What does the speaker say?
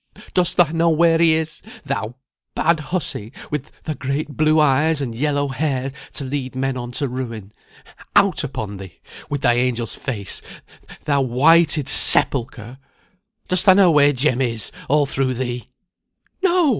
Dost thou know where he is, thou bad hussy, with thy great blue eyes and yellow hair, to lead men on to ruin? Out upon thee, with thy angel's face, thou whited sepulchre! Dost thou know where Jem is, all through thee?" "No!"